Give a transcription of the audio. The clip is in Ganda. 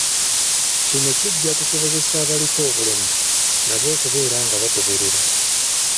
Kino kijja kusobozesa abaliko obulemu nabo okubeera nga bagoberera.